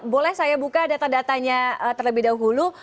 boleh saya buka data datanya terlebih dahulu